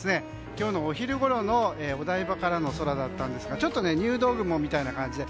今日のお昼ごろのお台場からの空ですがちょっと入道雲みたいな感じで。